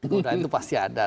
godaan itu pasti ada